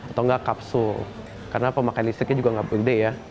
atau enggak kapsul karena pemakaian listriknya juga nggak gede ya